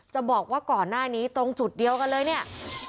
จะบอกว่าก่อนหน้านี้ตรงจุดเดียวกันเลยเนี่ย